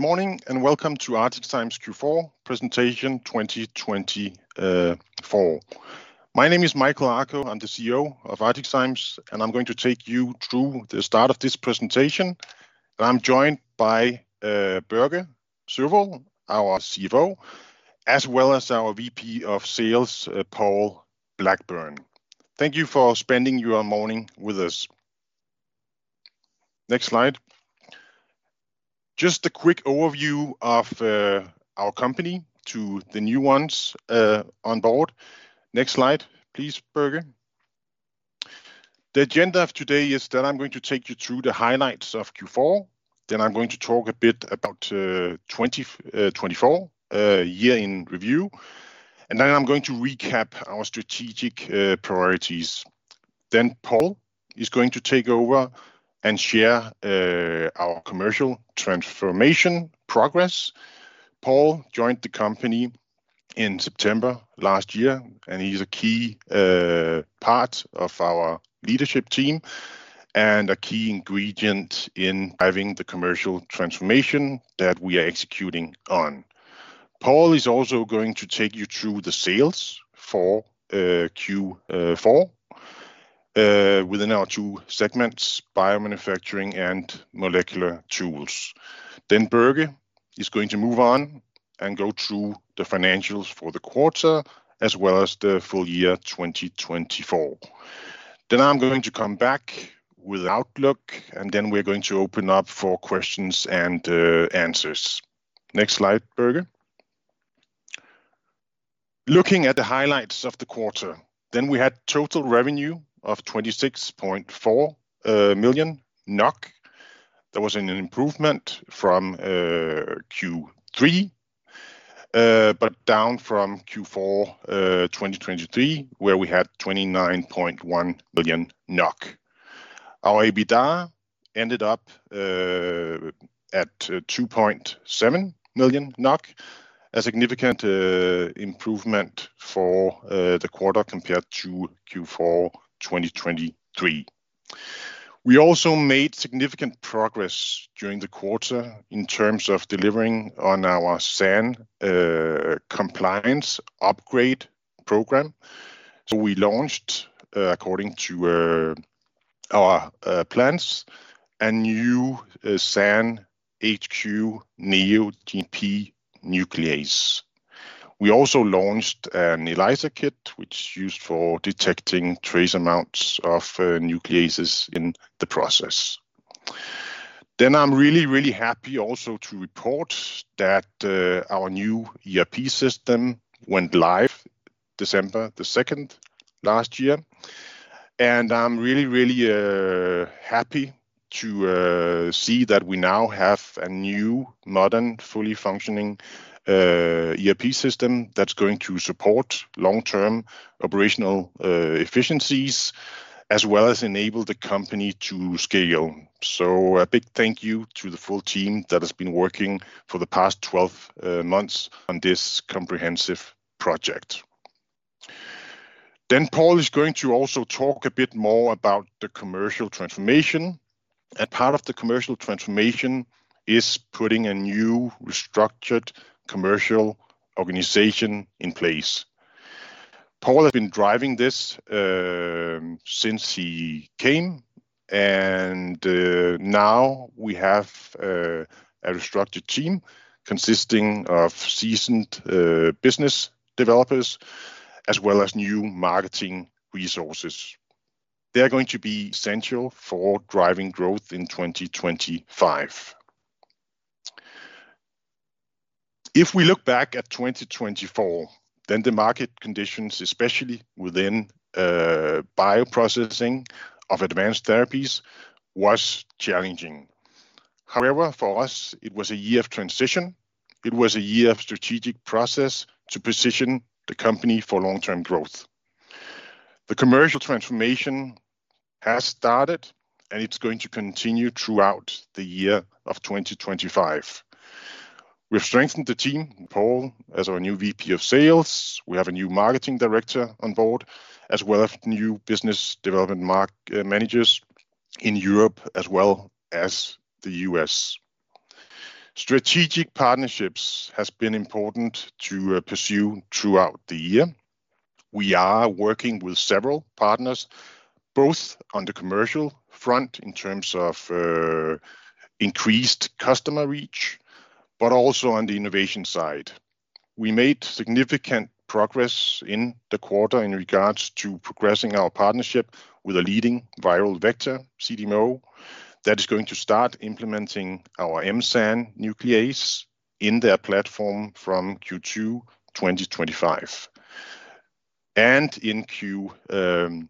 Good morning and welcome to ArcticZymes Technologies Q4 presentation 2024. My name is Michael Akoh, I'm the CEO of ArcticZymes, and I'm going to take you through the start of this presentation. I'm joined by Børge Sørvoll, our CFO, as well as our VP of Sales, Paul Blackburn. Thank you for spending your morning with us. Next slide. Just a quick overview of our company to the new ones on board. Next slide, please, Børge. The agenda of today is that I'm going to take you through the highlights of Q4, then I'm going to talk a bit about 2024 year in review, and then I'm going to recap our strategic priorities. Paul is going to take over and share our commercial transformation progress. Paul joined the company in September last year, and he's a key part of our leadership team and a key ingredient in driving the commercial transformation that we are executing on. Paul is also going to take you through the sales for Q4 within our two segments, Biomanufacturing and Molecular Tools. Next, Børge is going to move on and go through the financials for the quarter as well as the full year 2024. After that, I'm going to come back with an outlook, and then we're going to open up for questions and answers. Next slide, Børge. Looking at the highlights of the quarter, we had total revenue of 26.4 million NOK. There was an improvement from Q3, but down from Q4 2023, where we had 29.1 million NOK. Our EBITDA ended up at 2.7 million NOK, a significant improvement for the quarter compared to Q4 2023. We also made significant progress during the quarter in terms of delivering on our SAN compliance upgrade program. We launched, according to our plans, a new SAN HQ neo GMP nuclease. We also launched an ELISA kit, which is used for detecting trace amounts of nucleases in the process. I am really, really happy also to report that our new ERP system went live December 2nd last year. I am really, really happy to see that we now have a new, modern, fully functioning ERP system that is going to support long-term operational efficiencies as well as enable the company to scale. A big thank you to the full team that has been working for the past 12 months on this comprehensive project. Paul is going to also talk a bit more about the commercial transformation. Part of the commercial transformation is putting a new, restructured commercial organization in place. Paul has been driving this since he came, and now we have a restructured team consisting of seasoned business developers as well as new marketing resources. They're going to be essential for driving growth in 2025. If we look back at 2024, then the market conditions, especially within bioprocessing of advanced therapies, were challenging. However, for us, it was a year of transition. It was a year of strategic process to position the company for long-term growth. The commercial transformation has started, and it's going to continue throughout the year of 2025. We've strengthened the team, Paul as our new VP of Sales. We have a new marketing director on board, as well as new business development managers in Europe as well as the U.S. Strategic partnerships have been important to pursue throughout the year. We are working with several partners, both on the commercial front in terms of increased customer reach, but also on the innovation side. We made significant progress in the quarter in regards to progressing our partnership with a leading viral vector CDMO that is going to start implementing our M-SAN HQ nuclease in their platform from Q2 2025. In Q1,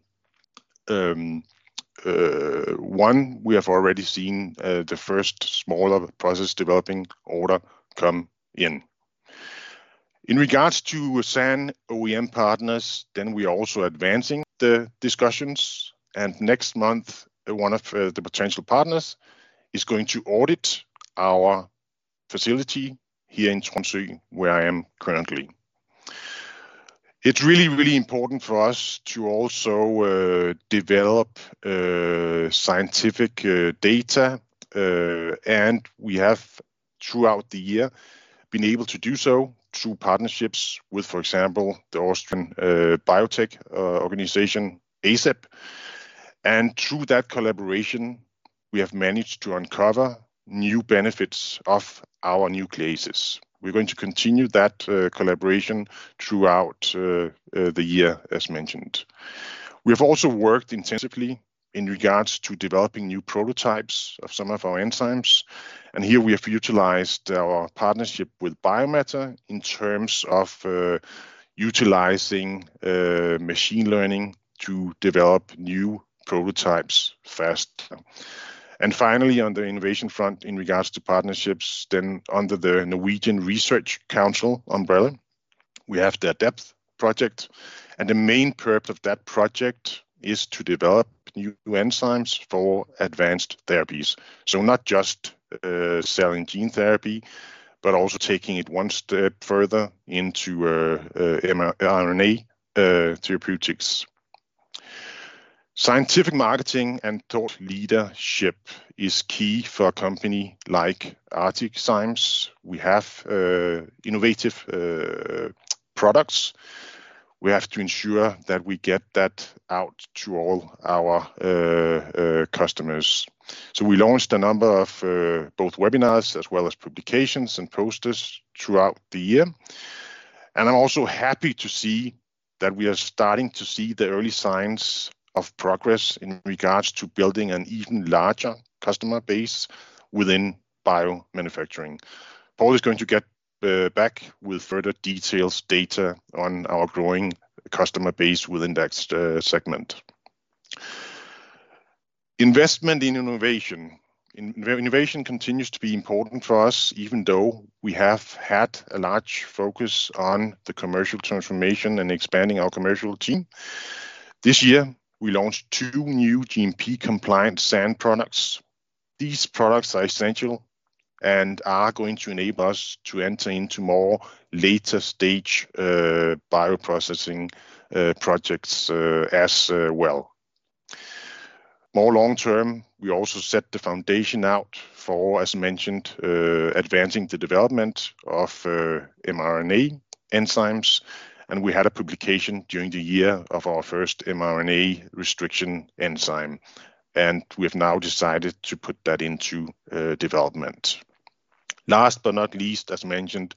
we have already seen the first smaller process developing order come in. In regards to SAN OEM partners, we are also advancing the discussions. Next month, one of the potential partners is going to audit our facility here in Tromsø, where I am currently. It's really, really important for us to also develop scientific data. We have, throughout the year, been able to do so through partnerships with, for example, the Austrian biotech organization, ACIB. Through that collaboration, we have managed to uncover new benefits of our nucleases. We are going to continue that collaboration throughout the year, as mentioned. We have also worked intensively in regards to developing new prototypes of some of our enzymes. Here we have utilized our partnership with Biomatter in terms of utilizing machine learning to develop new prototypes faster. Finally, on the innovation front in regards to partnerships, under the Norwegian Research Council umbrella, we have the ADEPT project. The main purpose of that project is to develop new enzymes for advanced therapies. Not just cell and gene therapy, but also taking it one step further into RNA therapeutics. Scientific marketing and thought leadership is key for a company like ArcticZymes Technologies. We have innovative products. We have to ensure that we get that out to all our customers. We launched a number of both webinars as well as publications and posters throughout the year. I am also happy to see that we are starting to see the early signs of progress in regards to building an even larger customer base within biomanufacturing. Paul is going to get back with further detailed data on our growing customer base within that segment. Investment in innovation. Innovation continues to be important for us, even though we have had a large focus on the commercial transformation and expanding our commercial team. This year, we launched two new GMP-compliant SAN products. These products are essential and are going to enable us to enter into more later-stage bio-processing projects as well. More long-term, we also set the foundation out for, as mentioned, advancing the development of mRNA enzymes. We had a publication during the year of our first mRNA restriction enzyme. We have now decided to put that into development. Last but not least, as mentioned,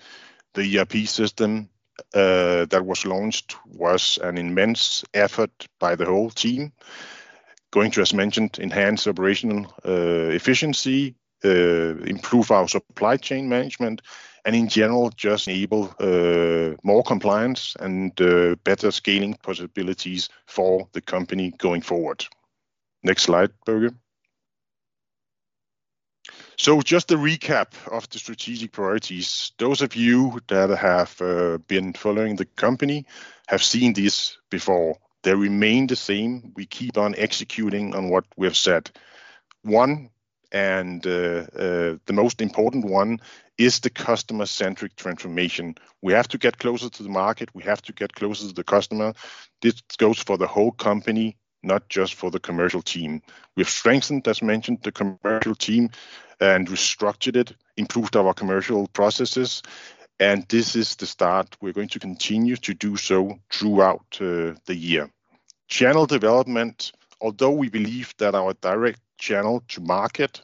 the ERP system that was launched was an immense effort by the whole team, going to, as mentioned, enhance operational efficiency, improve our supply chain management, and in general, just enable more compliance and better scaling possibilities for the company going forward. Next slide, Børge. Just a recap of the strategic priorities. Those of you that have been following the company have seen this before. They remain the same. We keep on executing on what we have said. One, and the most important one, is the customer-centric transformation. We have to get closer to the market. We have to get closer to the customer. This goes for the whole company, not just for the commercial team. We've strengthened, as mentioned, the commercial team and restructured it, improved our commercial processes. This is the start. We're going to continue to do so throughout the year. Channel development, although we believe that our direct channel to market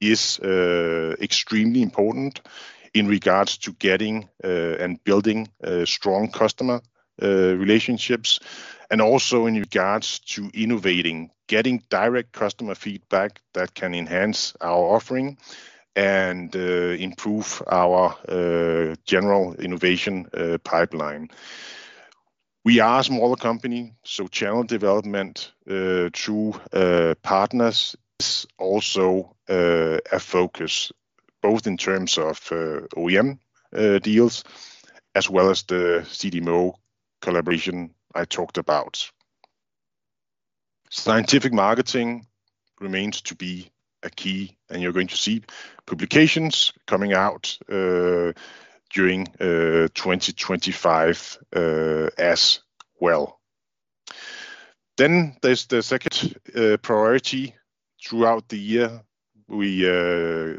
is extremely important in regards to getting and building strong customer relationships, and also in regards to innovating, getting direct customer feedback that can enhance our offering and improve our general innovation pipeline. We are a smaller company, so channel development to partners is also a focus, both in terms of OEM deals as well as the CDMO collaboration I talked about. Scientific marketing remains to be a key, and you're going to see publications coming out during 2025 as well. There is the second priority. Throughout the year, we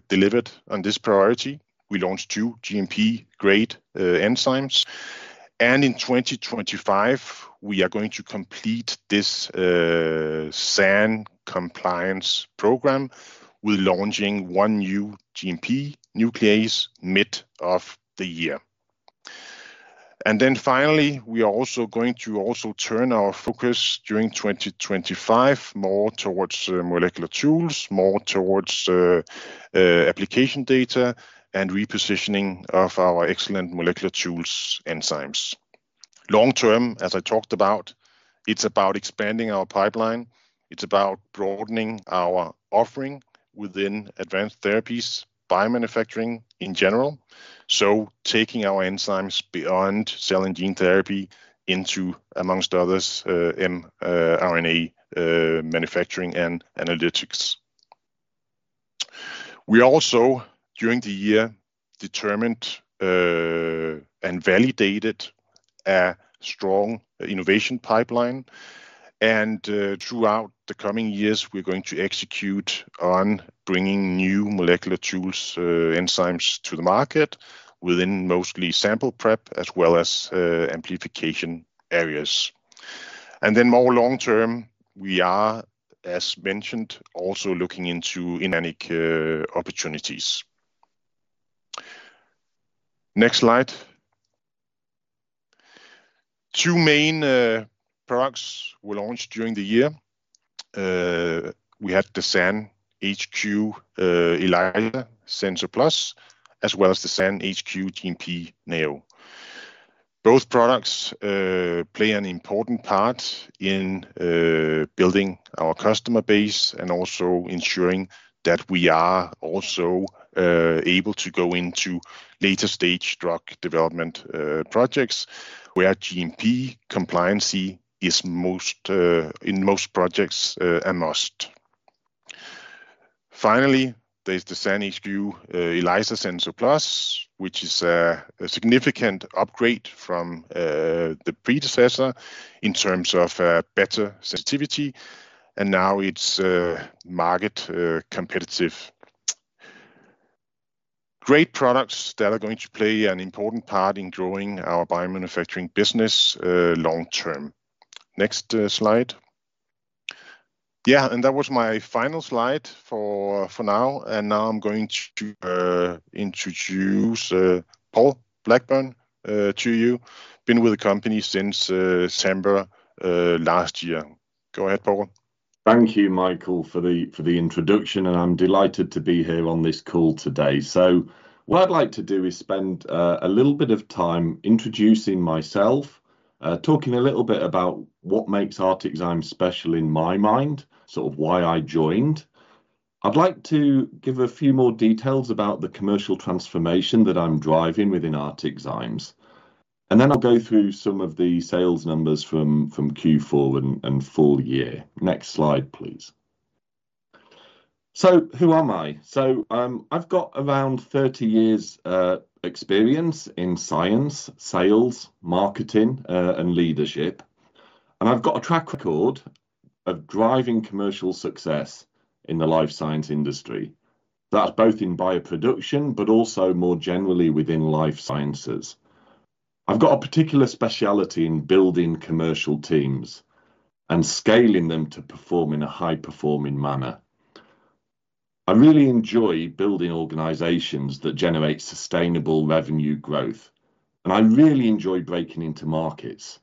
delivered on this priority. We launched two GMP-grade enzymes. In 2025, we are going to complete this SAN compliance program with launching one new GMP nuclease mid of the year. Finally, we are also going to turn our focus during 2025 more towards molecular tools, more towards application data and repositioning of our excellent molecular tools enzymes. Long-term, as I talked about, it is about expanding our pipeline. It is about broadening our offering within advanced therapies, biomanufacturing in general. Taking our enzymes beyond cell and gene therapy into, amongst others, mRNA manufacturing and analytics. We also, during the year, determined and validated a strong innovation pipeline. Throughout the coming years, we are going to execute on bringing new molecular tools enzymes to the market within mostly sample prep as well as amplification areas. More long-term, we are, as mentioned, also looking into organic opportunities. Next slide. Two main products were launched during the year. We had the SAN HQ ELISA Sensor Plus, as well as the SAN HQ GMP neo. Both products play an important part in building our customer base and also ensuring that we are also able to go into later-stage drug development projects where GMP compliancy is in most projects a must. Finally, there's the SAN HQ ELISA Sensor Plus, which is a significant upgrade from the predecessor in terms of better sensitivity, and now it's market competitive. Great products that are going to play an important part in growing our biomanufacturing business long-term. Next slide. Yeah, that was my final slide for now. Now I'm going to introduce Paul Blackburn to you, been with the company since September last year. Go ahead, Paul. Thank you, Michael, for the introduction. I'm delighted to be here on this call today. What I'd like to do is spend a little bit of time introducing myself, talking a little bit about what makes ArcticZymes special in my mind, sort of why I joined. I'd like to give a few more details about the commercial transformation that I'm driving within ArcticZymes. I will go through some of the sales numbers from Q4 and full year. Next slide, please. Who am I? I've got around 30 years' experience in science, sales, marketing, and leadership. I've got a track record of driving commercial success in the life science industry. That's both in bioproduction, but also more generally within life sciences. I've got a particular specialty in building commercial teams and scaling them to perform in a high-performing manner. I really enjoy building organizations that generate sustainable revenue growth. I really enjoy breaking into markets.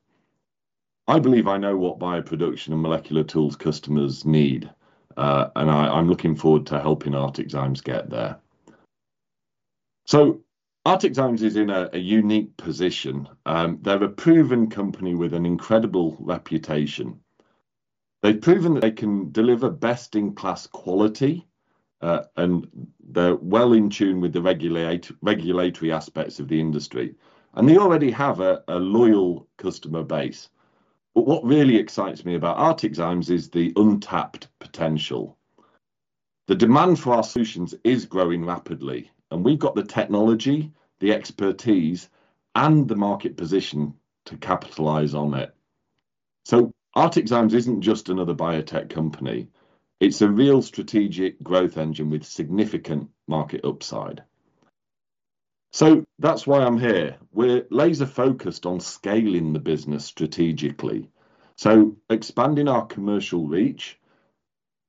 I believe I know what bioproduction and molecular tools customers need. I'm looking forward to helping ArcticZymes get there. ArcticZymes is in a unique position. They're a proven company with an incredible reputation. They've proven that they can deliver best-in-class quality, and they're well in tune with the regulatory aspects of the industry. They already have a loyal customer base. What really excites me about ArcticZymes is the untapped potential. The demand for our solutions is growing rapidly. We've got the technology, the expertise, and the market position to capitalize on it. ArcticZymes isn't just another biotech company. It's a real strategic growth engine with significant market upside. That's why I'm here. We're laser-focused on scaling the business strategically, expanding our commercial reach,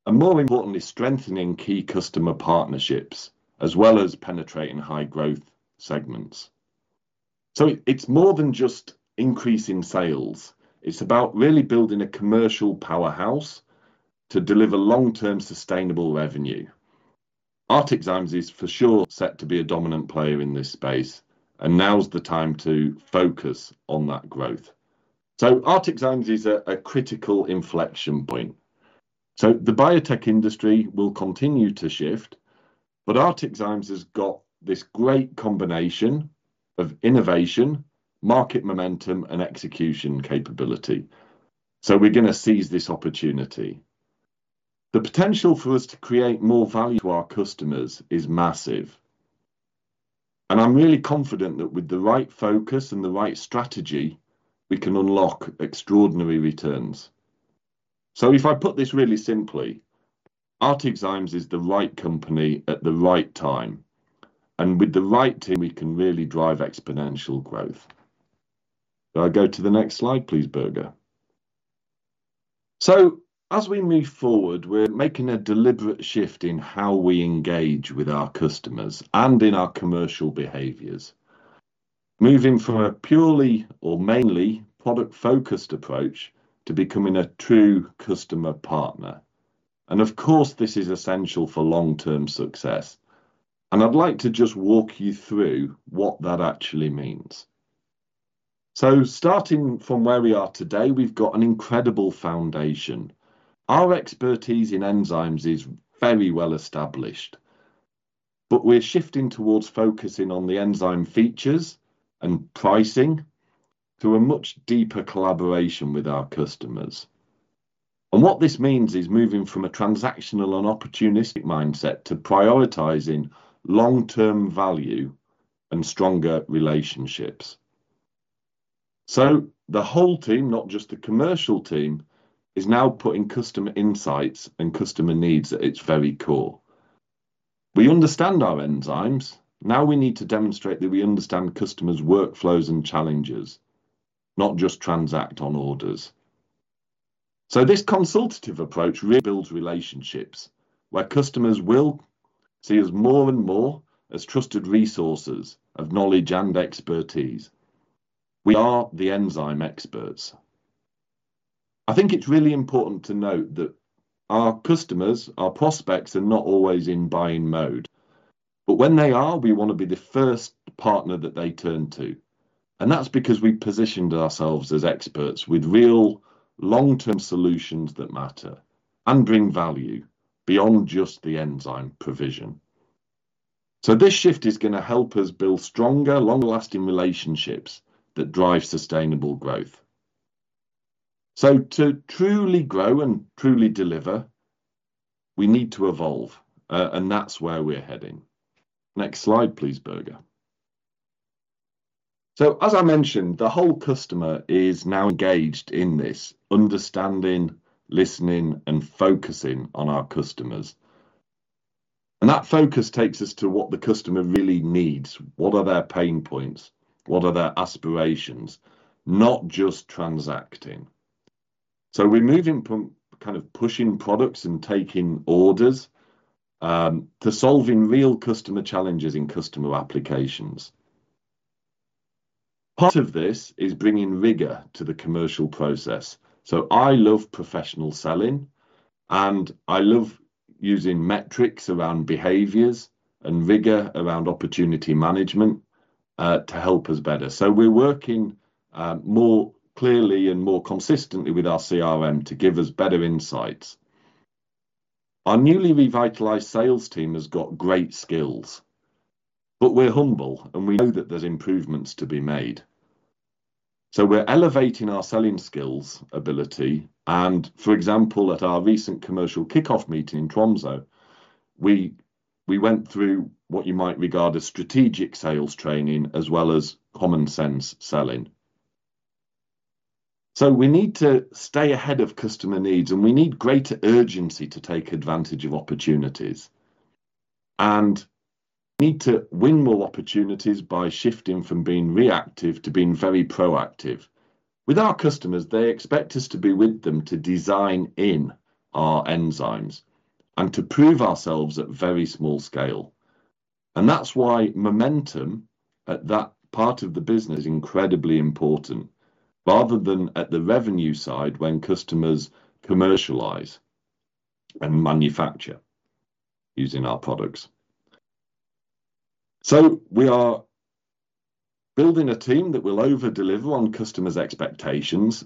and more importantly, strengthening key customer partnerships, as well as penetrating high growth segments. It is more than just increasing sales. It is about really building a commercial powerhouse to deliver long-term sustainable revenue. ArcticZymes is for sure set to be a dominant player in this space. Now is the time to focus on that growth. ArcticZymes is a critical inflection point. The biotech industry will continue to shift, but ArcticZymes has got this great combination of innovation, market momentum, and execution capability. We are going to seize this opportunity. The potential for us to create more value to our customers is massive. I am really confident that with the right focus and the right strategy, we can unlock extraordinary returns. If I put this really simply, ArcticZymes is the right company at the right time. With the right team, we can really drive exponential growth. I will go to the next slide, please, Børge. As we move forward, we're making a deliberate shift in how we engage with our customers and in our commercial behaviors, moving from a purely or mainly product-focused approach to becoming a true customer partner. Of course, this is essential for long-term success. I'd like to just walk you through what that actually means. Starting from where we are today, we've got an incredible foundation. Our expertise in enzymes is very well established. We're shifting towards focusing on the enzyme features and pricing to a much deeper collaboration with our customers. What this means is moving from a transactional and opportunistic mindset to prioritizing long-term value and stronger relationships. The whole team, not just the commercial team, is now putting customer insights and customer needs at its very core. We understand our enzymes. Now we need to demonstrate that we understand customers' workflows and challenges, not just transact on orders. This consultative approach really builds relationships where customers will see us more and more as trusted resources of knowledge and expertise. We are the enzyme experts. I think it's really important to note that our customers, our prospects, are not always in buying mode. When they are, we want to be the first partner that they turn to. That's because we've positioned ourselves as experts with real long-term solutions that matter and bring value beyond just the enzyme provision. This shift is going to help us build stronger, longer-lasting relationships that drive sustainable growth. To truly grow and truly deliver, we need to evolve. That's where we're heading. Next slide, please, Børge. As I mentioned, the whole customer is now engaged in this, understanding, listening, and focusing on our customers. That focus takes us to what the customer really needs. What are their pain points? What are their aspirations, Not just transacting. We are moving from kind of pushing products and taking orders to solving real customer challenges in customer applications. Part of this is bringing rigor to the commercial process. I love professional selling. I love using metrics around behaviors and rigor around opportunity management to help us better. We are working more clearly and more consistently with our CRM to give us better insights. Our newly revitalized sales team has got great skills. We are humble, and we know that there are improvements to be made. We are elevating our selling skills ability. For example, at our recent commercial kickoff meeting in Tromsø, we went through what you might regard as strategic sales training as well as common sense selling. We need to stay ahead of customer needs, and we need greater urgency to take advantage of opportunities. We need to win more opportunities by shifting from being reactive to being very proactive. With our customers, they expect us to be with them to design in our enzymes and to prove ourselves at very small scale. That is why momentum at that part of the business is incredibly important rather than at the revenue side when customers commercialize and manufacture using our products. We are building a team that will overdeliver on customers' expectations.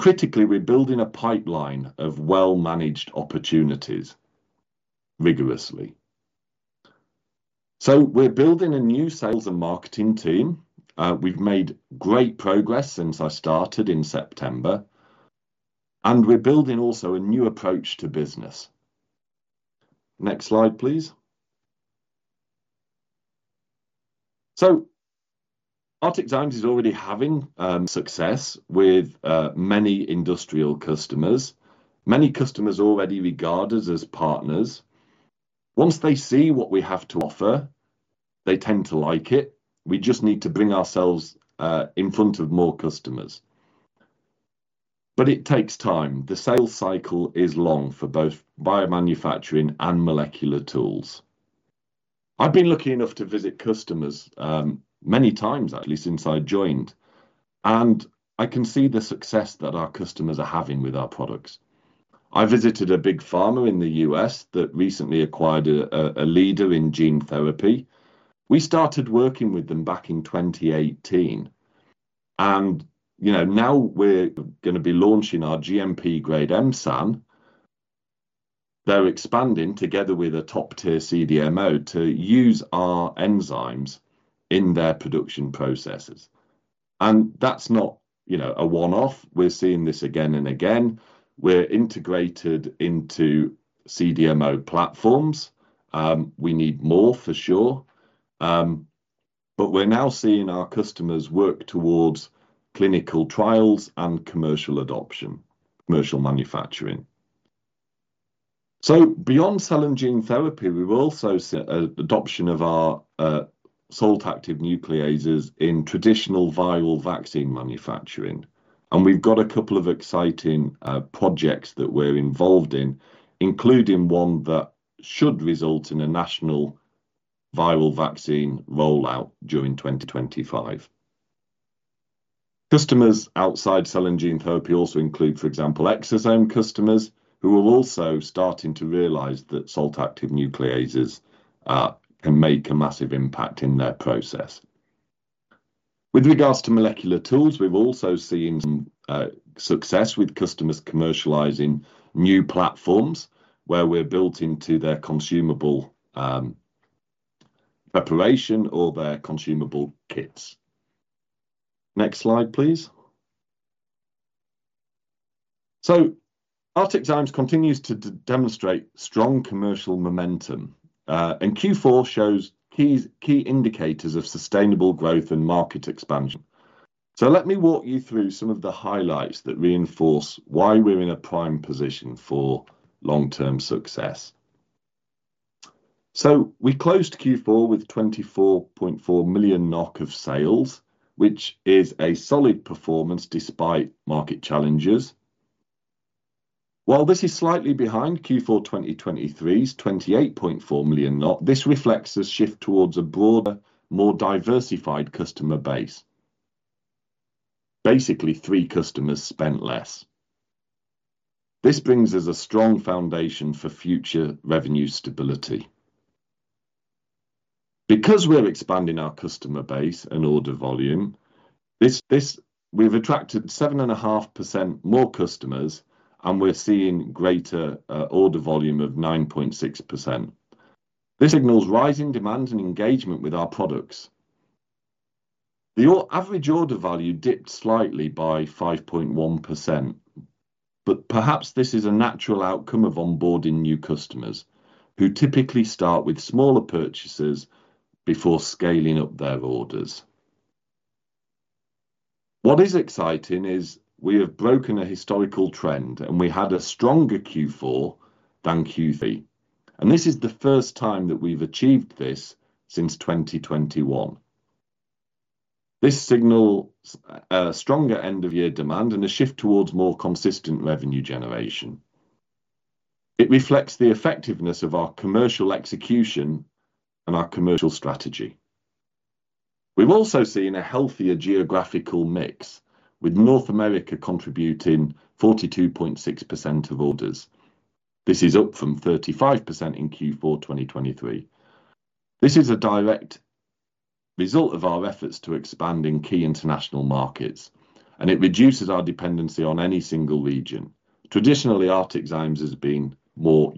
Critically, we are building a pipeline of well-managed opportunities rigorously. We are building a new sales and marketing team. We've made great progress since I started in September. We're building also a new approach to business. Next slide, please. ArcticZymes is already having success with many industrial customers. Many customers already regard us as partners. Once they see what we have to offer, they tend to like it. We just need to bring ourselves in front of more customers. It takes time. The sales cycle is long for both biomanufacturing and molecular tools. I've been lucky enough to visit customers many times, at least since I joined. I can see the success that our customers are having with our products. I visited a big pharma in the U.S. that recently acquired a leader in gene therapy. We started working with them back in 2018. Now we're going to be launching our GMP-grade M-SAN. They're expanding together with a top-tier CDMO to use our enzymes in their production processes. That's not a one-off. We're seeing this again and again. We're integrated into CDMO platforms. We need more, for sure. We're now seeing our customers work towards clinical trials and commercial adoption, commercial manufacturing. Beyond cell and gene therapy, we've also seen adoption of our Salt-Active Nucleases in traditional viral vaccine manufacturing. We've got a couple of exciting projects that we're involved in, including one that should result in a national viral vaccine rollout during 2025. Customers outside cell and gene therapy also include, for example, exosome customers who are also starting to realize that salt-active nucleases can make a massive impact in their process. With regards to molecular tools, we've also seen some success with customers commercializing new platforms where we're built into their consumable preparation or their consumable kits. Next slide, please. ArcticZymes continues to demonstrate strong commercial momentum. Q4 shows key indicators of sustainable growth and market expansion. Let me walk you through some of the highlights that reinforce why we're in a prime position for long-term success. We closed Q4 with 24.4 million NOK of sales, which is a solid performance despite market challenges. While this is slightly behind Q4 2023's 28.4 million, this reflects a shift towards a broader, more diversified customer base. Basically, three customers spent less. This brings us a strong foundation for future revenue stability. Because we're expanding our customer base and order volume, we've attracted 7.5% more customers, and we're seeing greater order volume of 9.6%. This signals rising demand and engagement with our products. The average order value dipped slightly by 5.1%. Perhaps this is a natural outcome of onboarding new customers who typically start with smaller purchases before scaling up their orders. What is exciting is we have broken a historical trend, and we had a stronger Q4 than Q3. This is the first time that we've achieved this since 2021. This signals a stronger end-of-year demand and a shift towards more consistent revenue generation. It reflects the effectiveness of our commercial execution and our commercial strategy. We've also seen a healthier geographical mix, with North America contributing 42.6% of orders. This is up from 35% in Q4 2023. This is a direct result of our efforts to expand in key international markets. It reduces our dependency on any single region. Traditionally, ArcticZymes has been more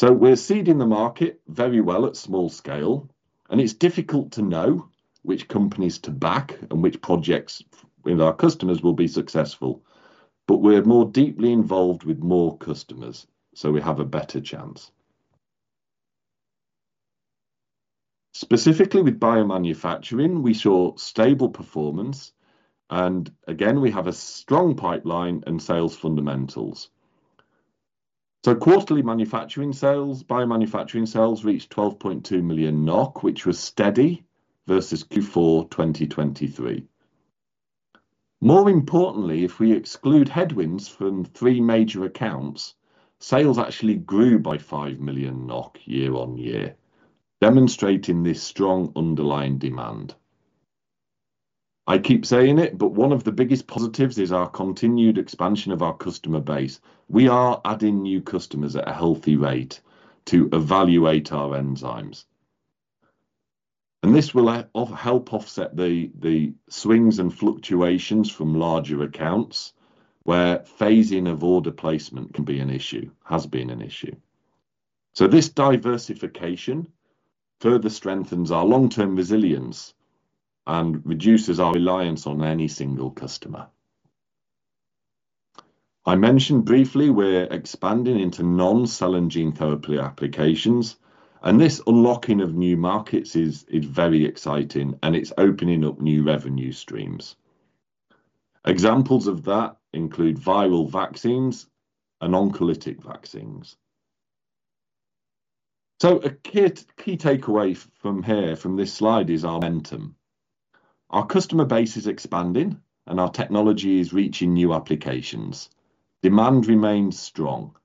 European-focused. We are seeding the market very well at small scale. It is difficult to know which companies to back and which projects with our customers will be successful. We are more deeply involved with more customers, so we have a better chance. Specifically, with biomanufacturing, we saw stable performance. We have a strong pipeline and sales fundamentals. Quarterly biomanufacturing sales reached 12.2 million NOK, which was steady versus Q4 2023. More importantly, if we exclude headwinds from three major accounts, sales actually grew by 5 million NOK year-on-year, demonstrating this strong underlying demand. I keep saying it, but one of the biggest positives is our continued expansion of our customer base. We are adding new customers at a healthy rate to evaluate our enzymes. This will help offset the swings and fluctuations from larger accounts where phasing of order placement can be an issue, has been an issue. This diversification further strengthens our long-term resilience and reduces our reliance on any single customer. I mentioned briefly we're expanding into non-cell and gene therapy applications. This unlocking of new markets is very exciting, and it's opening up new revenue streams. Examples of that include viral vaccines and Oncolytic Vaccines. A key takeaway from here, from this slide, is our momentum. Our customer base is expanding, and our technology is reaching new applications. Demand remains strong.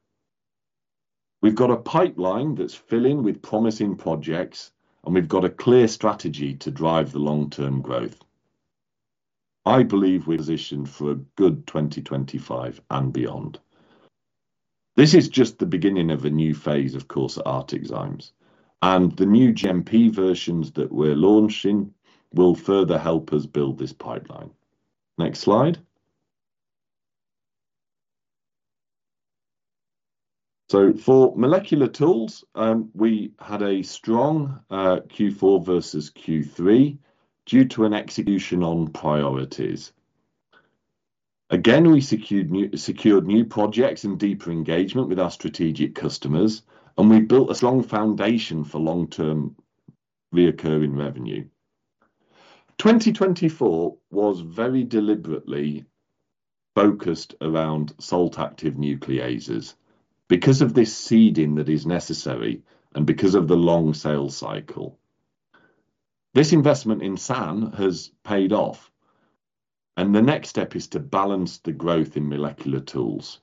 We've got a pipeline that's filling with promising projects, and we've got a clear strategy to drive the long-term growth. I believe we're positioned for a good 2025 and beyond. This is just the beginning of a new phase, of course, at ArcticZymes. The new GMP versions that we're launching will further help us build this pipeline. Next slide. For molecular tools, we had a strong Q4 versus Q3 due to an execution on priorities. Again, we secured new projects and deeper engagement with our strategic customers. We built a strong foundation for long-term recurring revenue. 2024 was very deliberately focused around Salt-Active Nucleases because of this seeding that is necessary and because of the long sales cycle. This investment in SAN has paid off. The next step is to balance the growth in molecular tools.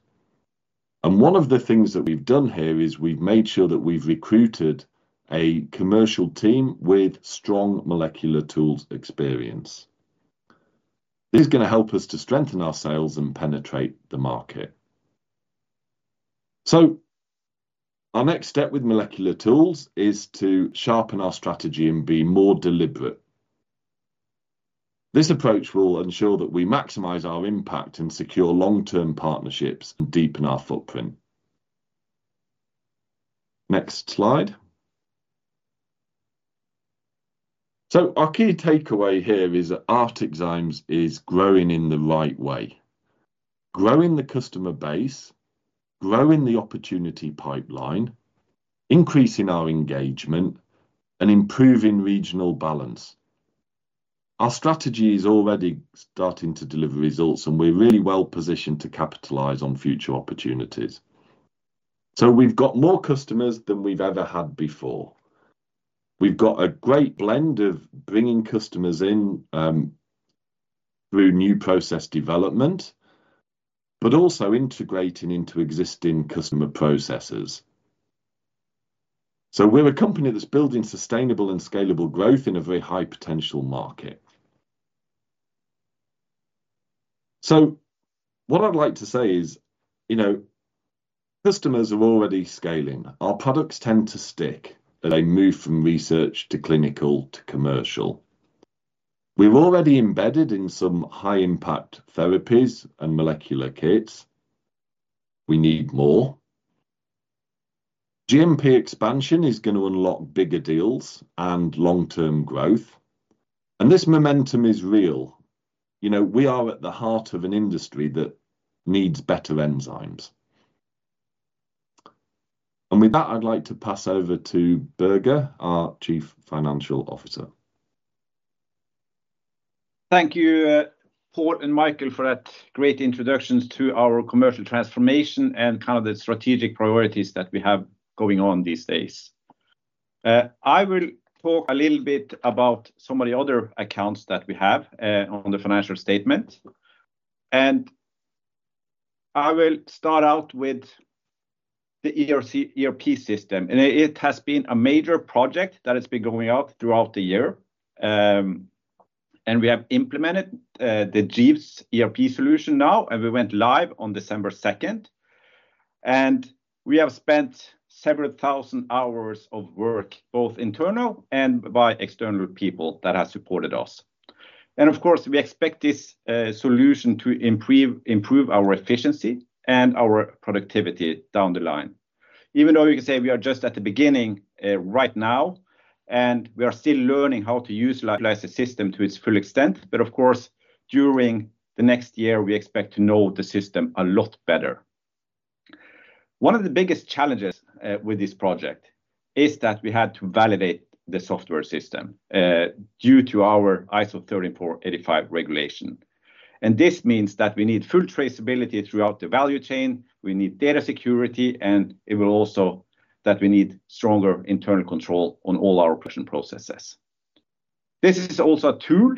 One of the things that we've done here is we've made sure that we've recruited a commercial team with strong molecular tools experience. This is going to help us to strengthen our sales and penetrate the market. Our next step with molecular tools is to sharpen our strategy and be more deliberate. This approach will ensure that we maximize our impact and secure long-term partnerships and deepen our footprint. Next slide. Our key takeaway here is that ArcticZymes is growing in the right way. Growing the customer base, growing the opportunity pipeline, increasing our engagement, and improving regional balance. Our strategy is already starting to deliver results, and we're really well positioned to capitalize on future opportunities. We've got more customers than we've ever had before. We've got a great blend of bringing customers in through new process development, but also integrating into existing customer processes. We're a company that's building sustainable and scalable growth in a very high-potential market. What I'd like to say is customers are already scaling. Our products tend to stick as they move from research to clinical to commercial. We've already embedded in some high-impact therapies and molecular kits. We need more. GMP expansion is going to unlock bigger deals and long-term growth. This momentum is real. We are at the heart of an industry that needs better enzymes. With that, I'd like to pass over to Børge, our Chief Financial Officer. Thank you, Paul and Michael, for that great introduction to our commercial transformation and kind of the strategic priorities that we have going on these days. I will talk a little bit about some of the other accounts that we have on the financial statement. I will start out with the ERP system. It has been a major project that has been going on throughout the year. We have implemented the Jeeves ERP solution now. We went live on December 2nd. We have spent several thousand hours of work, both internal and by external people that have supported us. Of course, we expect this solution to improve our efficiency and our productivity down the line. Even though you can say we are just at the beginning right now, and we are still learning how to utilize the system to its full extent. During the next year, we expect to know the system a lot better. One of the biggest challenges with this project is that we had to validate the software system due to our ISO 13485 regulation. This means that we need full traceability throughout the value chain. We need data security. It will also mean that we need stronger internal control on all our production processes. This is also a tool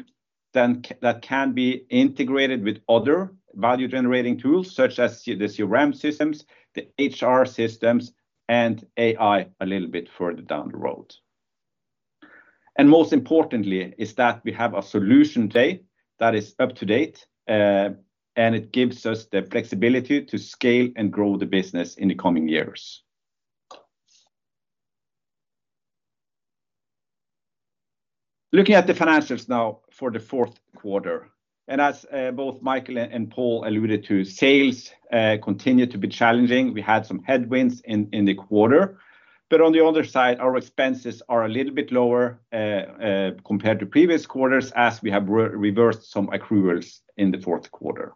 that can be integrated with other value-generating tools, such as the CRM systems, the HR systems, and AI a little bit further down the road. Most importantly, we have a solution today that is up to date. It gives us the flexibility to scale and grow the business in the coming years. Looking at the financials now for the fourth quarter. As both Michael and Paul alluded to, sales continue to be challenging. We had some headwinds in the quarter. On the other side, our expenses are a little bit lower compared to previous quarters, as we have reversed some accruals in the fourth quarter.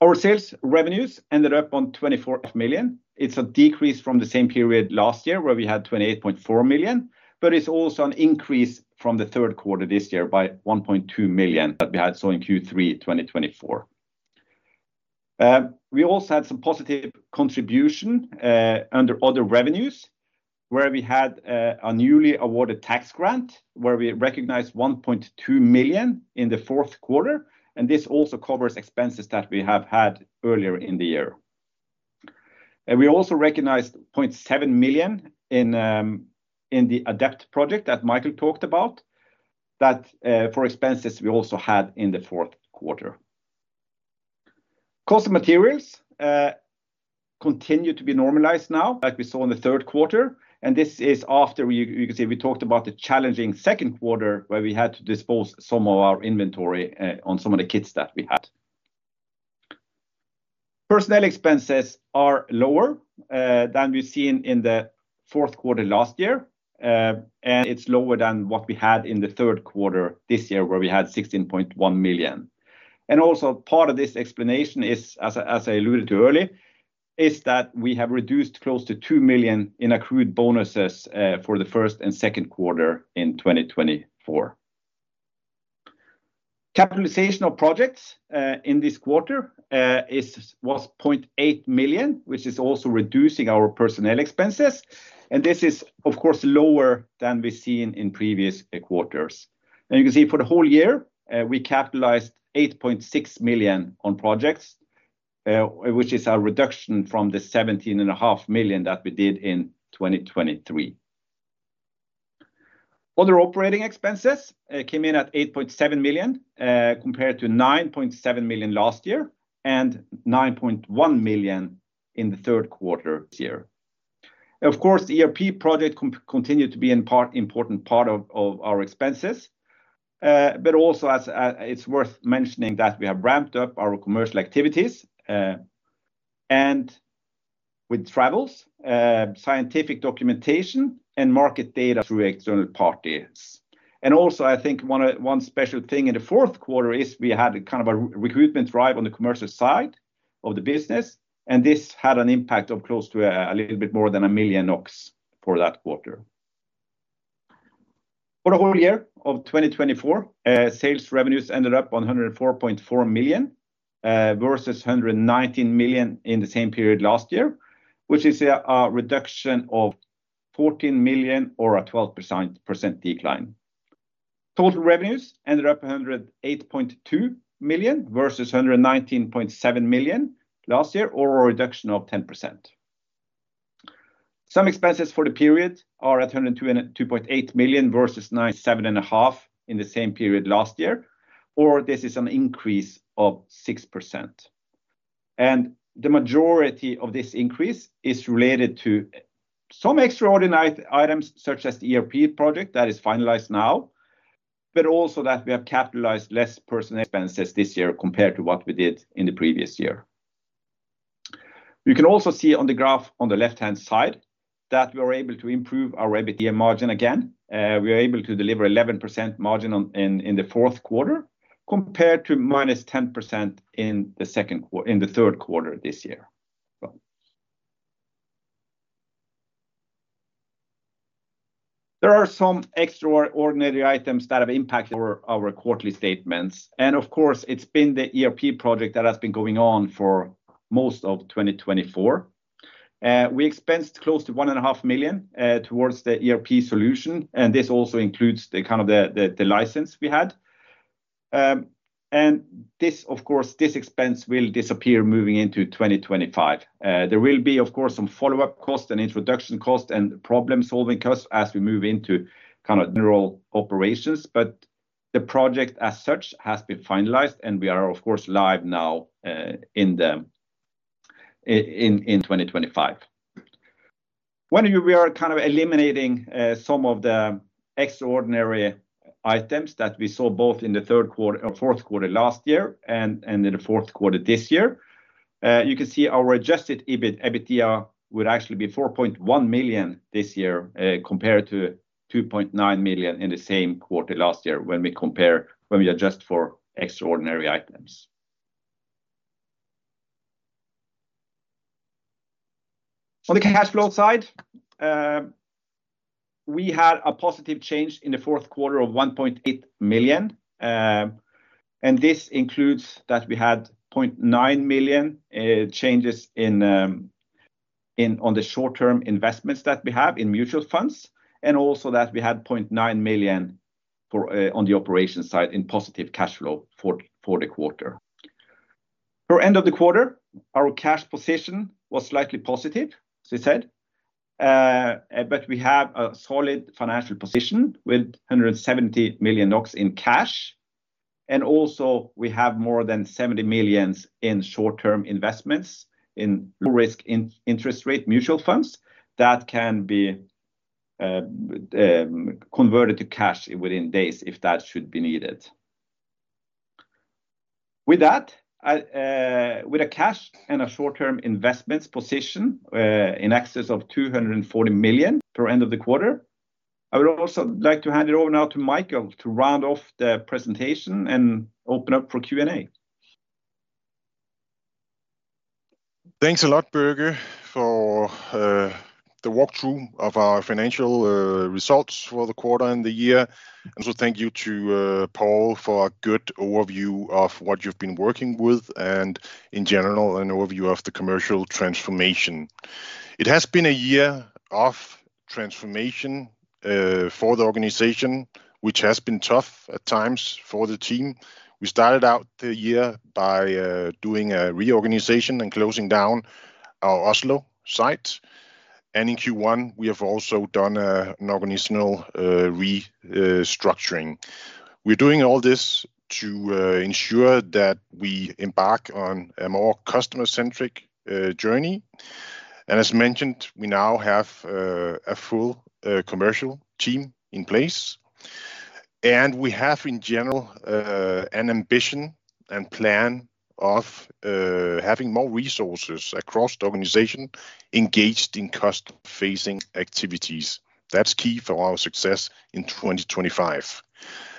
Our sales revenues ended up on 24 million. It is a decrease from the same period last year where we had 28.4 million. It is also an increase from the third quarter this year by 1.2 million that we saw in Q3 2024. We also had some positive contribution under other revenues, where we had a newly awarded tax grant where we recognized 1.2 million in the fourth quarter. This also covers expenses that we have had earlier in the year. We also recognized 0.7 million in the ADEPT project that Michael talked about, that for expenses we also had in the fourth quarter. Cost of materials continue to be normalized now, like we saw in the third quarter. This is after, you can see, we talked about the challenging second quarter where we had to dispose of some of our inventory on some of the kits that we had. Personnel expenses are lower than we've seen in the fourth quarter last year. It's lower than what we had in the third quarter this year, where we had 16.1 million. Also part of this explanation is, as I alluded to earlier, that we have reduced close to 2 million in accrued bonuses for the first and second quarter in 2024. Capitalization of projects in this quarter was 0.8 million, which is also reducing our personnel expenses. This is, of course, lower than we've seen in previous quarters. You can see for the whole year, we capitalized 8.6 million on projects, which is a reduction from the 17.5 million that we did in 2023. Other operating expenses came in at 8.7 million compared to 9.7 million last year and 9.1 million in the third quarter this year. ERP projects continue to be an important part of our expenses. It is also worth mentioning that we have ramped up our commercial activities with travels, scientific documentation, and market data through external parties. I think one special thing in the fourth quarter is we had kind of a recruitment drive on the commercial side of the business. This had an impact of close to a little bit more than 1 million for that quarter. For the whole year of 2024, sales revenues ended up 104.4 million versus 119 million in the same period last year, which is a reduction of 14 million or a 12% decline. Total revenues ended up 108.2 million versus 119.7 million last year, or a reduction of 10%. Some expenses for the period are at 102.8 million versus 97.5 million in the same period last year, or this is an increase of 6%. The majority of this increase is related to some extraordinary items, such as the ERP project that is finalized now, but also that we have capitalized less personnel expenses this year compared to what we did in the previous year. You can also see on the graph on the left-hand side that we were able to improve our EBITDA margin again. We were able to deliver 11% margin in the fourth quarter compared to minus 10% in the third quarter this year. There are some extraordinary items that have impacted our quarterly statements. Of course, it has been the ERP project that has been going on for most of 2024. We expensed close to 1.5 million towards the ERP solution. This also includes the kind of the license we had. This expense will disappear moving into 2025. There will be, of course, some follow-up costs and introduction costs and problem-solving costs as we move into kind of general operations. The project as such has been finalized. We are, of course, live now in 2025. When we are kind of eliminating some of the extraordinary items that we saw both in the third quarter or fourth quarter last year and in the fourth quarter this year, you can see our adjusted EBITDA would actually be 4.1 million this year compared to 2.9 million in the same quarter last year when we adjust for extraordinary items. On the cash flow side, we had a positive change in the fourth quarter of 1.8 million. This includes that we had 0.9 million changes on the short-term investments that we have in mutual funds. Also, we had 0.9 million on the operations side in positive cash flow for the quarter. For end of the quarter, our cash position was slightly positive, as I said. We have a solid financial position with 170 million NOK in cash. We also have more than 70 million in short-term investments in low-risk interest-rate mutual funds that can be converted to cash within days if that should be needed. With a cash and short-term investments position in excess of 240 million for end of the quarter, I would also like to hand it over now to Michael to round off the presentation and open up for Q&A. Thanks a lot, Børge, for the walkthrough of our financial results for the quarter and the year. Thank you to Paul for a good overview of what you've been working with and, in general, an overview of the commercial transformation. It has been a year of transformation for the organization, which has been tough at times for the team. We started out the year by doing a reorganization and closing down our Oslo site. In Q1, we have also done an organizational restructuring. We are doing all this to ensure that we embark on a more customer-centric journey. As mentioned, we now have a full commercial team in place. We have, in general, an ambition and plan of having more resources across the organization engaged in customer-facing activities. That is key for our success in 2025.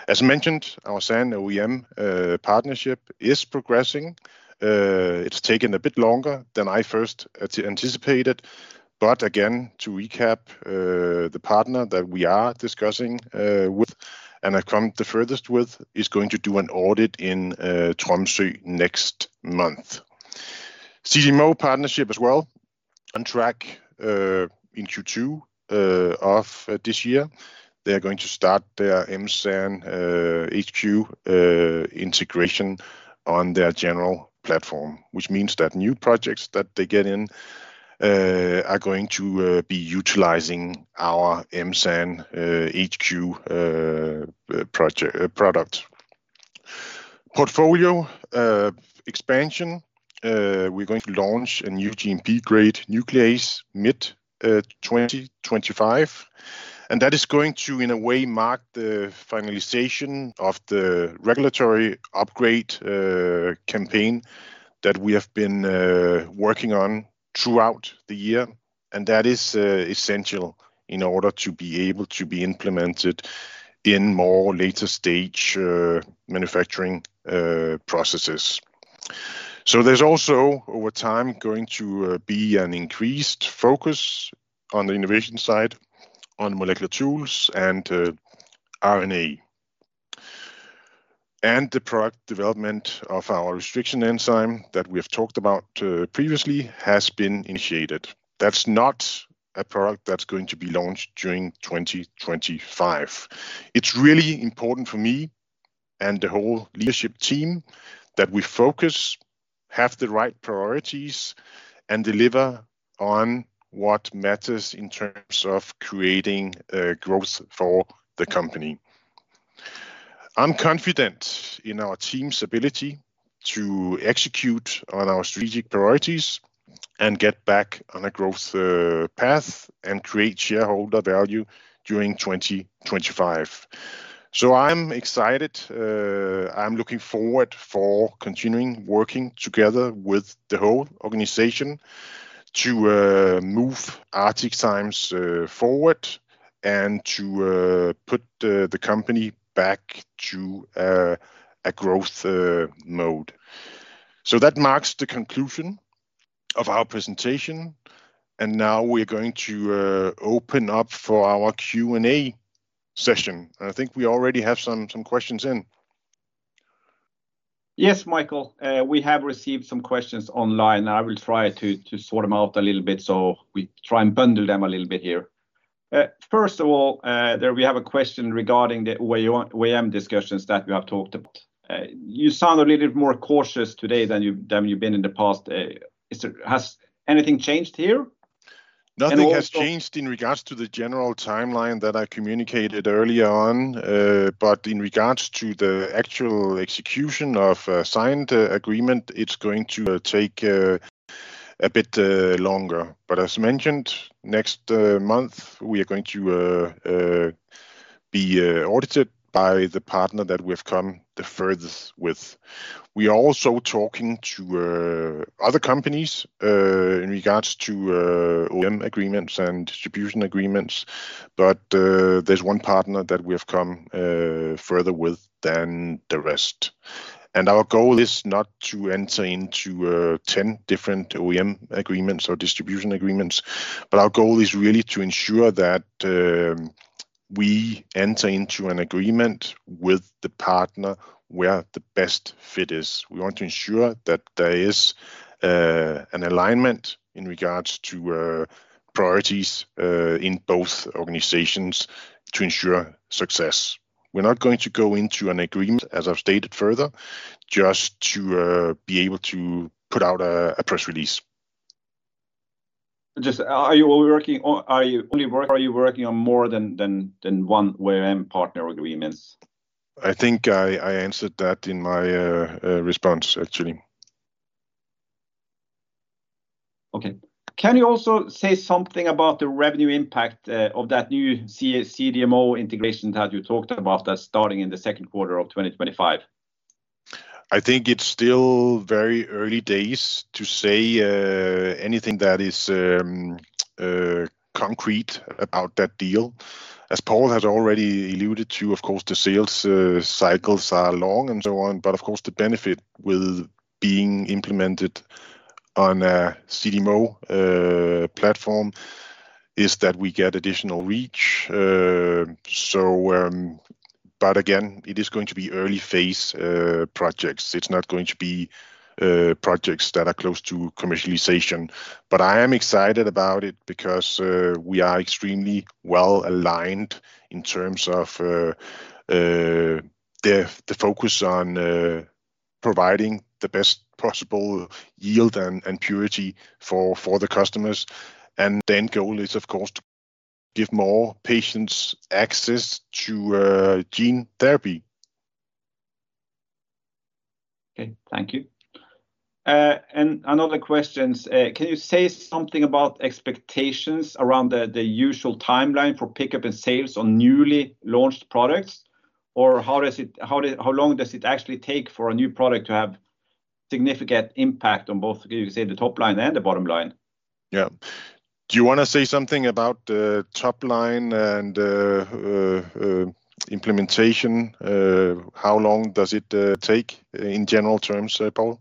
As mentioned, our SAN OEM partnership is progressing. It has taken a bit longer than I first anticipated. Again, to recap, the partner that we are discussing with and have come the furthest with is going to do an audit in Tromsø next month. CDMO partnership as well on track in Q2 of this year. They're going to start their M-SAN HQ integration on their general platform, which means that new projects that they get in are going to be utilizing our M-SAN HQ product. Portfolio expansion. We're going to launch a new GMP-grade nuclease mid-2025. That is going to, in a way, mark the finalization of the regulatory upgrade campaign that we have been working on throughout the year. That is essential in order to be able to be implemented in more later-stage manufacturing processes. There is also, over time, going to be an increased focus on the innovation side on molecular tools and RNA. The product development of our restriction enzyme that we have talked about previously has been initiated. That is not a product that is going to be launched during 2025. It is really important for me and the whole leadership team that we focus, have the right priorities, and deliver on what matters in terms of creating growth for the company. I am confident in our team's ability to execute on our strategic priorities and get back on a growth path and create shareholder value during 2025. I am excited. I am looking forward to continuing working together with the whole organization to move ArcticZymes forward and to put the company back to a growth mode. That marks the conclusion of our presentation. We are going to open up for our Q&A session. I think we already have some questions in. Yes, Michael. We have received some questions online. I will try to sort them out a little bit. We try and bundle them a little bit here. First of all, we have a question regarding the OEM discussions that we have talked about. You sound a little bit more cautious today than you've been in the past. Has anything changed here? Nothing has changed in regards to the general timeline that I communicated earlier on. In regards to the actual execution of a signed agreement, it's going to take a bit longer. As mentioned, next month, we are going to be audited by the partner that we have come the furthest with. We are also talking to other companies in regards to OEM agreements and distribution agreements. There is one partner that we have come further with than the rest. Our goal is not to enter into 10 different OEM agreements or distribution agreements. Our goal is really to ensure that we enter into an agreement with the partner where the best fit is. We want to ensure that there is an alignment in regards to priorities in both organizations to ensure success. We are not going to go into an agreement, as I have stated further, just to be able to put out a press release. Are you only working on more than one OEM partner agreement? I think I answered that in my response, actually. Okay. Can you also say something about the revenue impact of that new CDMO integration that you talked about that is starting in the second quarter of 2025? I think it is still very early days to say anything that is concrete about that deal. As Paul has already alluded to, of course, the sales cycles are long and so on. The benefit with being implemented on a CDMO platform is that we get additional reach. Again, it is going to be early-phase projects. It's not going to be projects that are close to commercialization. I am excited about it because we are extremely well aligned in terms of the focus on providing the best possible yield and purity for the customers. The end goal is, of course, to give more patients access to gene therapy. Okay. Thank you. Another question. Can you say something about expectations around the usual timeline for pickup and sales on newly launched products? Or how long does it actually take for a new product to have significant impact on both, you can say, the top line and the bottom line? Yeah. Do you want to say something about the top line and implementation? How long does it take in general terms, Paul?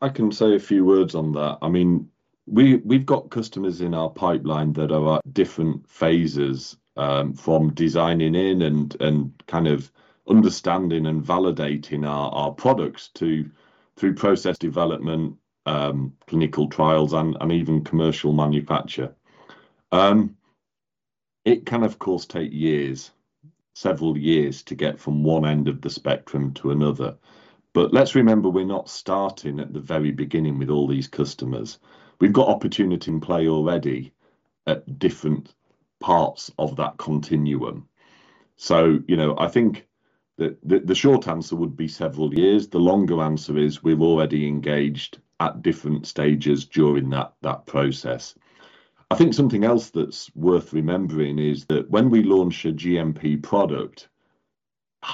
I can say a few words on that. I mean, we've got customers in our pipeline that are at different phases from designing in and kind of understanding and validating our products through process development, clinical trials, and even commercial manufacture. It can, of course, take years, several years, to get from one end of the spectrum to another. Let's remember, we're not starting at the very beginning with all these customers. We've got opportunity in play already at different parts of that continuum. I think the short answer would be several years. The longer answer is we've already engaged at different stages during that process. I think something else that's worth remembering is that when we launch a GMP product,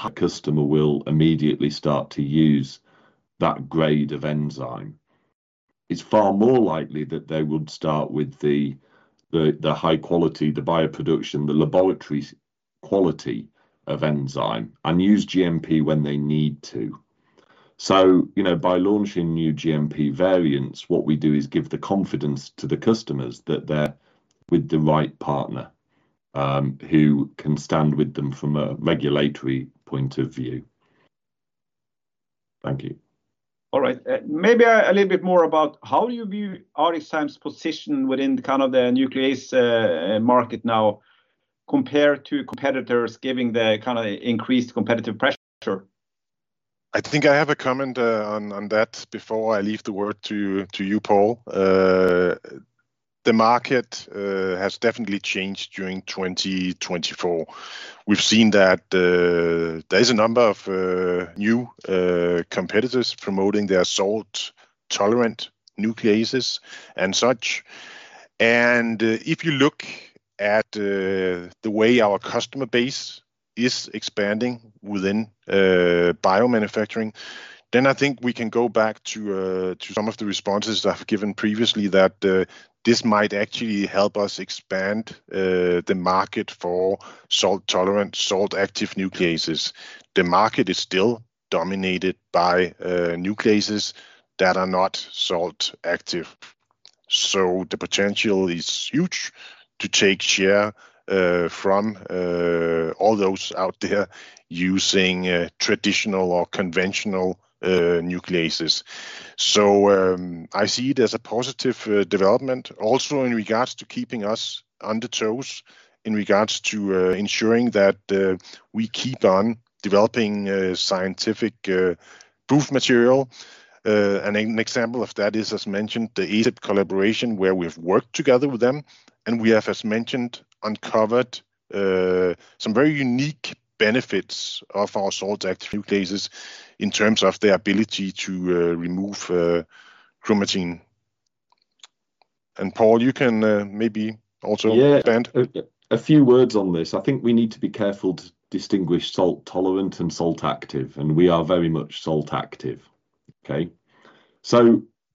a customer will immediately start to use that grade of enzyme. It's far more likely that they would start with the high quality, the bioproduction, the laboratory quality of enzyme, and use GMP when they need to. By launching new GMP variants, what we do is give the confidence to the customers that they're with the right partner who can stand with them from a regulatory point of view. Thank you. All right. Maybe a little bit more about how you view ArcticZymes position within kind of the nuclease market now compared to competitors, giving the kind of increased competitive pressure? I think I have a comment on that before I leave the word to you, Paul. The market has definitely changed during 2024. We've seen that there is a number of new competitors promoting their Salt Tolerant Nucleases and such. If you look at the way our customer base is expanding within biomanufacturing, then I think we can go back to some of the responses I've given previously that this might actually help us expand the market for Salt-Tolerant, Salt Active Nucleases. The market is still dominated by nucleases that are not Salt-active. The potential is huge to take share from all those out there using traditional or conventional nucleases. I see it as a positive development also in regards to keeping us on the toes in regards to ensuring that we keep on developing scientific proof material. An example of that is, as mentioned, the ADEPT collaboration where we've worked together with them. We have, as mentioned, uncovered some very unique benefits of our Salt-Active Nucleases in terms of their ability to remove chromatin. Paul, you can maybe also expand. Yeah. A few words on this. I think we need to be careful to distinguish Salt-Tolerant and alt-active. We are very much Salt-Active. Okay?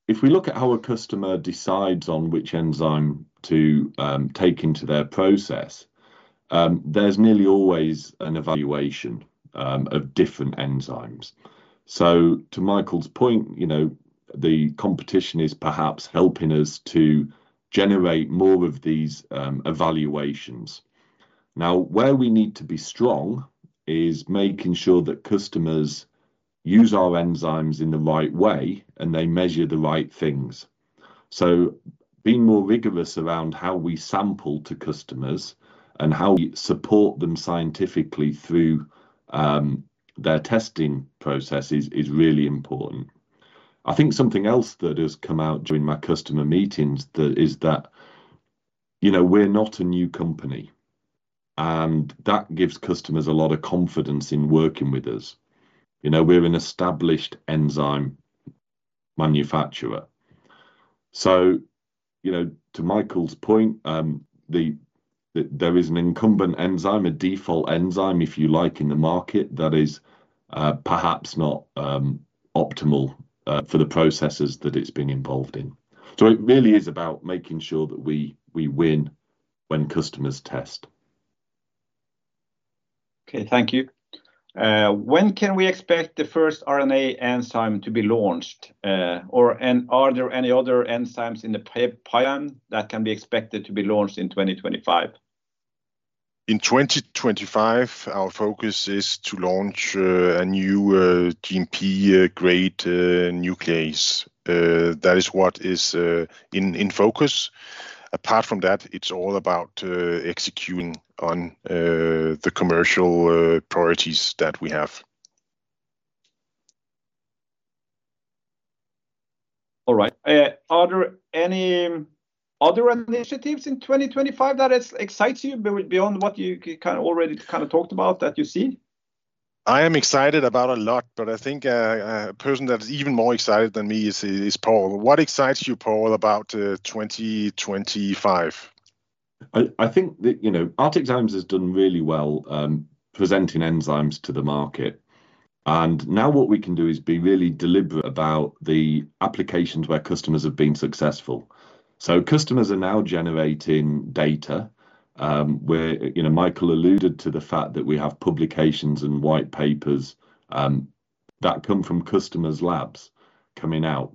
If we look at how a customer decides on which enzyme to take into their process, there is nearly always an evaluation of different enzymes. To Michael's point, the competition is perhaps helping us to generate more of these evaluations. Where we need to be strong is making sure that customers use our enzymes in the right way and they measure the right things. Being more rigorous around how we sample to customers and how we support them scientifically through their testing process is really important. I think something else that has come out during my customer meetings is that we're not a new company. That gives customers a lot of confidence in working with us. We're an established enzyme manufacturer. To Michael's point, there is an incumbent enzyme, a default enzyme, if you like, in the market that is perhaps not optimal for the processes that it's being involved in. It really is about making sure that we win when customers test. Okay. Thank you. When can we expect the first RNA enzyme to be launched? Are there any other enzymes in the pipeline that can be expected to be launched in 2025? In 2025, our focus is to launch a new GMP-grade nuclease. That is what is in focus. Apart from that, it's all about executing on the commercial priorities that we have. All right. Are there any other initiatives in 2025 that excite you beyond what you kind of already kind of talked about that you see? I am excited about a lot, but I think a person that's even more excited than me is Paul. What excites you, Paul, about 2025? I think ArcticZymes has done really well presenting enzymes to the market. Now what we can do is be really deliberate about the applications where customers have been successful. Customers are now generating data where Michael alluded to the fact that we have publications and white papers that come from customers' labs coming out.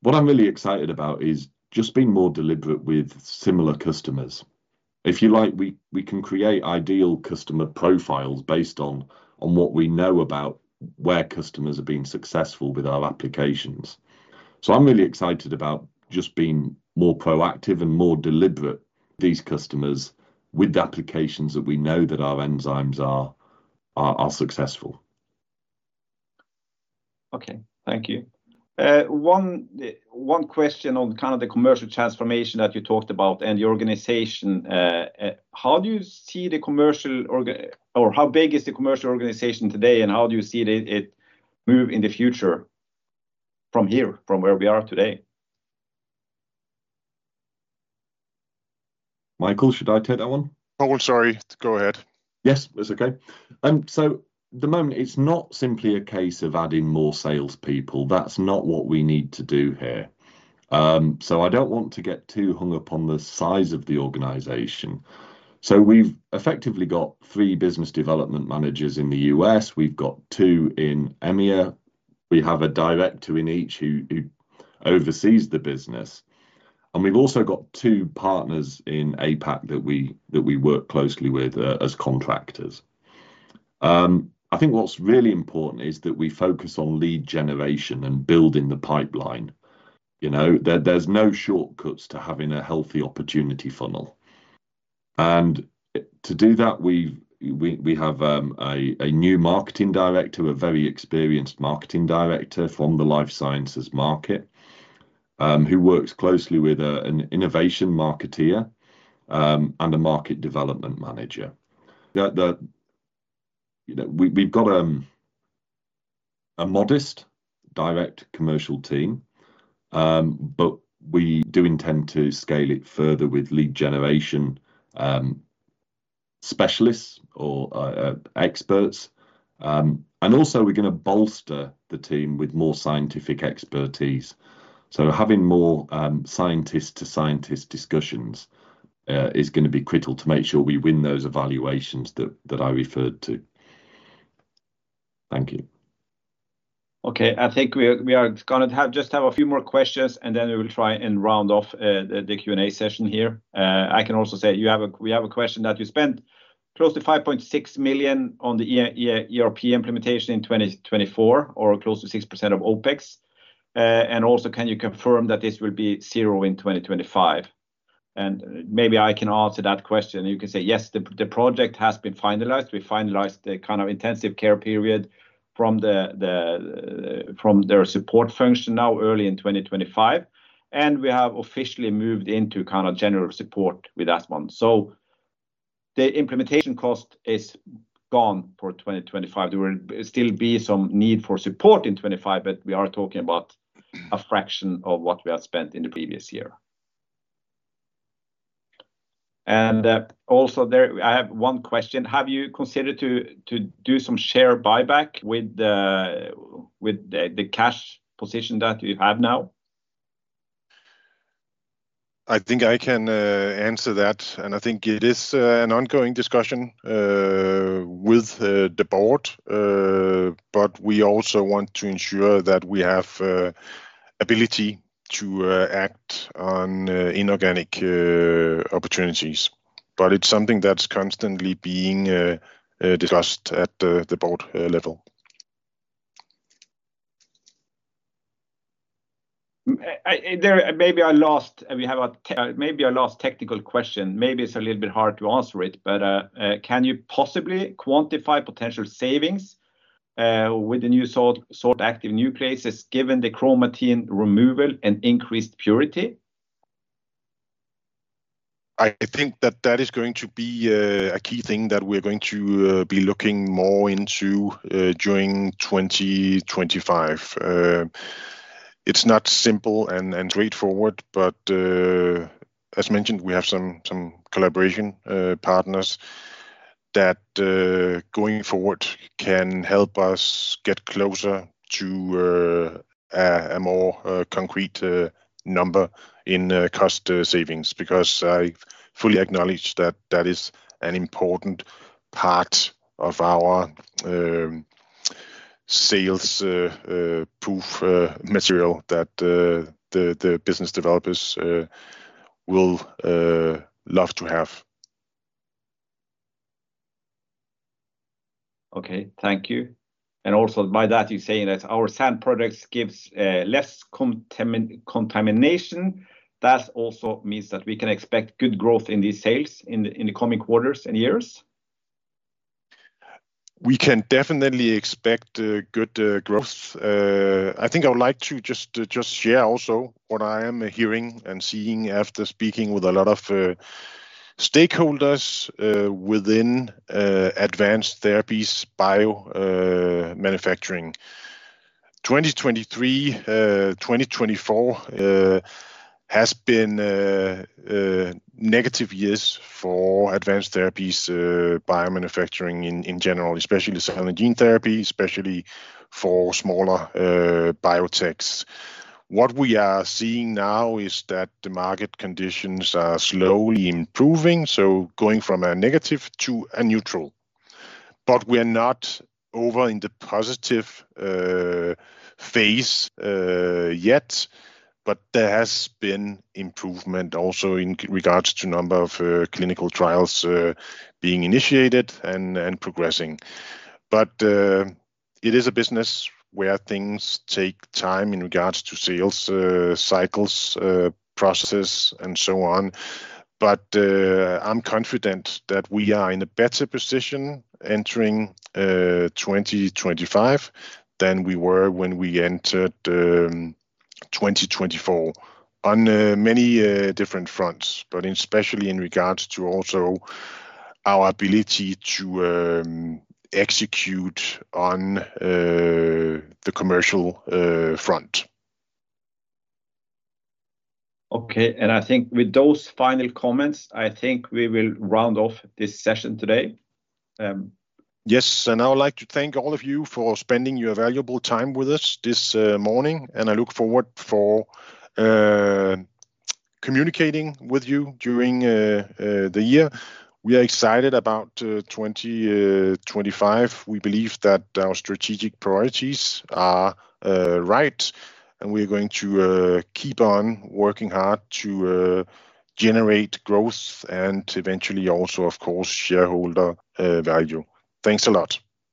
What I'm really excited about is just being more deliberate with similar customers. If you like, we can create ideal customer profiles based on what we know about where customers have been successful with our applications. I'm really excited about just being more proactive and more deliberate with these customers with applications that we know that our enzymes are successful. Okay. Thank you. One question on kind of the commercial transformation that you talked about and your organization. How do you see the commercial or how big is the commercial organization today? And how do you see it move in the future from here, from where we are today? Michael, should I take that one? Oh, sorry. Go ahead. Yes. It's okay. At the moment, it's not simply a case of adding more salespeople. That's not what we need to do here. I don't want to get too hung up on the size of the organization. We've effectively got three business development managers in the U.S. We've got two in EMEA. We have a director in each who oversees the business. We have also got two partners in APAC that we work closely with as contractors. I think what is really important is that we focus on lead generation and building the pipeline. There are no shortcuts to having a healthy opportunity funnel. To do that, we have a new marketing director, a very experienced marketing director from the life sciences market, who works closely with an innovation marketeer and a market development manager. We have a modest direct commercial team, but we do intend to scale it further with lead generation specialists or experts. We are also going to bolster the team with more scientific expertise. Having more scientist-to-scientist discussions is going to be critical to make sure we win those evaluations that I referred to. Thank you. Okay. I think we are going to just have a few more questions, and then we will try and round off the Q&A session here. I can also say we have a question that you spent close to 5.6 million on the ERP implementation in 2024 or close to 6% of OpEx. Also, can you confirm that this will be zero in 2025? Maybe I can answer that question. You can say, "Yes, the project has been finalized. We finalized the kind of intensive care period from their support function now early in 2025. We have officially moved into kind of general support with that one." The implementation cost is gone for 2025. There will still be some need for support in 2025, but we are talking about a fraction of what we have spent in the previous year. Also, I have one question. Have you considered to do some share buyback with the cash position that you have now? I think I can answer that. I think it is an ongoing discussion with the board. We also want to ensure that we have ability to act on inorganic opportunities. It is something that is constantly being discussed at the board level. Maybe I lost—we have a—maybe I lost technical question. Maybe it is a little bit hard to answer it. Can you possibly quantify potential savings with the new Salt-Active Nucleases given the chromatin removal and increased purity? I think that that is going to be a key thing that we are going to be looking more into during 2025. It is not simple and straightforward. As mentioned, we have some collaboration partners that going forward can help us get closer to a more concrete number in cost savings because I fully acknowledge that that is an important part of our sales proof material that the business developers will love to have. Okay. Thank you. Also, by that, you're saying that our SAN products give less contamination. That also means that we can expect good growth in these sales in the coming quarters and years? We can definitely expect good growth. I think I would like to just share also what I am hearing and seeing after speaking with a lot of stakeholders within advanced therapies biomanufacturing. 2023, 2024 have been negative years for advanced therapies biomanufacturing in general, especially cell and gene therapy, especially for smaller biotechs. What we are seeing now is that the market conditions are slowly improving. Going from a negative to a neutral. We are not over in the positive phase yet. There has been improvement also in regards to number of clinical trials being initiated and progressing. It is a business where things take time in regards to sales cycles, processes, and so on. I'm confident that we are in a better position entering 2025 than we were when we entered 2024 on many different fronts, especially in regards to our ability to execute on the commercial front. I think with those final comments, we will round off this session today. I would like to thank all of you for spending your valuable time with us this morning. I look forward to communicating with you during the year. We are excited about 2025. We believe that our strategic priorities are right. We are going to keep on working hard to generate growth and eventually also, of course, shareholder value. Thanks a lot.